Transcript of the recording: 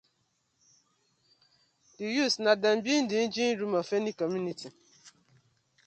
Di youths na dem bi di engine room of any community.